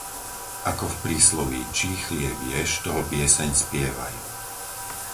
Ako v prísloví, čí chlieb ješ, toho pieseň spievaj.